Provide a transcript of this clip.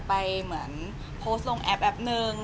ไปเหมือนโพสต์ลงแอปแอปหนึ่ง